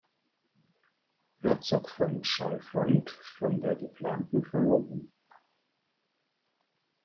Herzog von Chalfont, von der geplanten Verlobung.